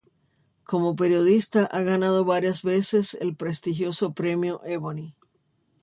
Como periodista ha ganado varias veces el prestigioso premio Ebony.